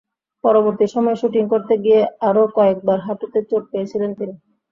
পরবর্তী সময়ে শুটিং করতে গিয়ে আরও কয়েকবার হাঁটুতে চোট পেয়েছেন তিনি।